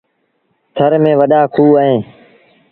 ٿر ميݩ وڏآ کوه هوئيݩ دآ۔